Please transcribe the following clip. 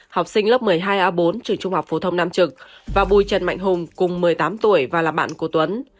học sinh lớp một mươi hai a bốn trường trung học phổ thông nam trực và bùi trần mạnh hùng cùng một mươi tám tuổi và là bạn của tuấn